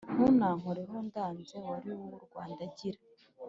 ntunankoreho! ndanze! mwari w’u rwanda gira